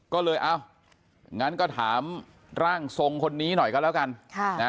ก็เลยเอางั้นก็ถามร่างทรงคนนี้หน่อยก็แล้วกัน